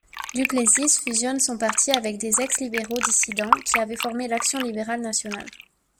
Duplessis fusionne son parti avec des ex-libéraux dissidents qui avaient formé l'Action libérale nationale.